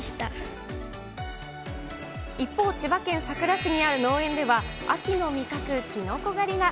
一方、千葉県佐倉市にある農園では、秋の味覚、きのこ狩りが。